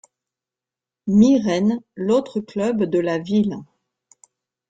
Mirren, l’autre club de la ville.